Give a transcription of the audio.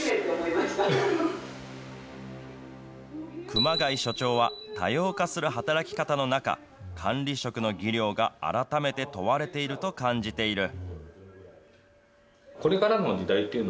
熊谷所長は、多様化する働き方の中、管理職の技量が改めて問われていると感じている。